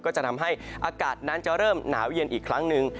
ก็จะทำให้อากาศนั้นจะเริ่มหนาวเย็นอีกครั้งหนึ่ง